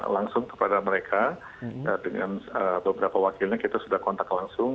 langsung kepada mereka dengan beberapa wakilnya kita sudah kontak langsung